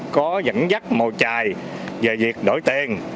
có dẫn dắt màu trài về việc đổi tiền